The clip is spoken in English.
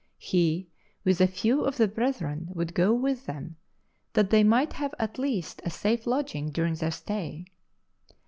He, with a few of the brethren, would go with them, that they might have at least a safe lodging during their stay.